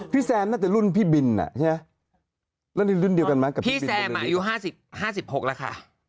พี่แซมรุ่นหรอครับ